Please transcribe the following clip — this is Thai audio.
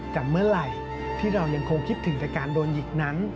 กับเมื่อไหร่ที่เรายังคงคิดถึงแต่การโดนหยิกนั้น